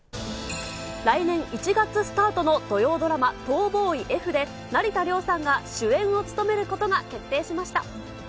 来年１月スタートの土曜ドラマ、逃亡医Ｆで、成田凌さんが、主演を務めることが決定しました。